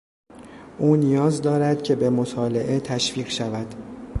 او نیاز دارد که به مطالعه تشویق شود.